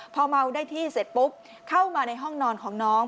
พอเมาได้ที่เสร็จปุ๊บเข้ามาในห้องนอนของน้อง